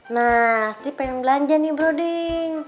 nah sri pengen belanja nih broding